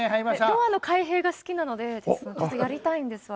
ドアの開閉が好きなのでちょっとやりたいんですあれ。